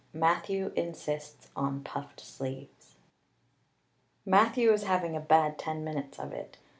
Matthew Insists on Puffed Sleeves MATTHEW was having a bad ten minutes of it.